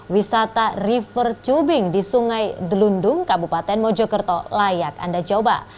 wisata river tubing di sungai delundung kabupaten mojokerto layak anda coba